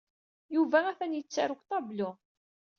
Yuba atan yettaru deg uṭablu.